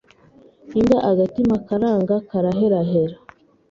Imbwa agatima karanga kararehareha